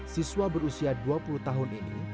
siswa berusia dua puluh tahun ini